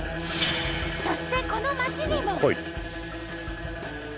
そしてこの街にも。